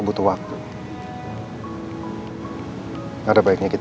maksudnya kamu sampai lagi banget apa nih